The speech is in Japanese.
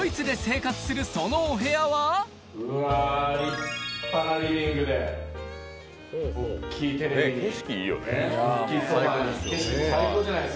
うわー、立派なリビングで。